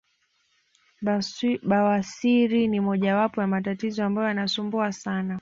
Bawasiri ni mojawapo ya matatizo ambayo yanasumbua sana